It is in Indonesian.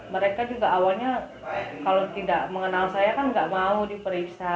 mereka juga awalnya kalau tidak mengenal saya kan nggak mau diperiksa